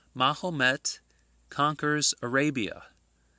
Mahomet conquers Arabia.